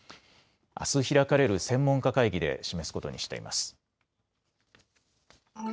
あす開かれる専門家会議で示すことにしています。